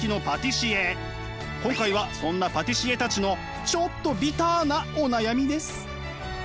今回はそんなパティシエたちのちょっとビターなお悩みです。